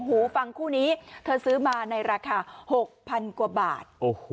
หูฟังคู่นี้เธอซื้อมาในราคา๖๐๐๐กว่าบาท